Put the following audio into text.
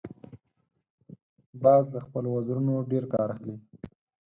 باز له خپلو وزرونو ډیر کار اخلي